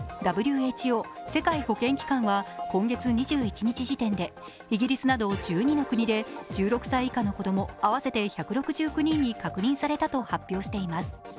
ＷＨＯ＝世界保健機関は今月２１日時点でイギリスなど１２の国で１６歳以下の子供合わせて１６９人に確認されたと発表しています。